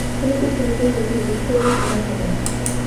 শুনিতে শুনিতে শশীর বিস্ময়ের সীমা থাকে না।